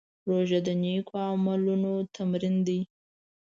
روژه د نېکو عملونو تمرین دی.